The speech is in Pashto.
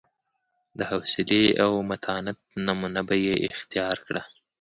د حوصلې او متانت نمونه به یې اختیار کړه.